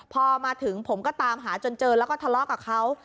พอมาถึงผมก็ตามหาจนเจอแล้วก็ทะเลาะกับเขา